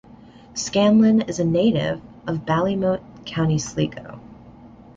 Scanlon is a native of Ballymote, County Sligo.